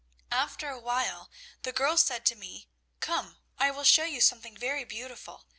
After a little while the girl said to me, 'Come, I will show you something very beautiful.